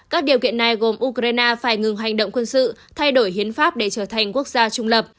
các điều kiện này gồm ukraine phải ngừng hành động quân sự thay đổi hiến pháp để trở thành quốc gia trung lập